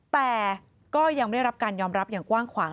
แต่ก็ยังไม่ได้รับการยอมรับอย่างกว้างขวาง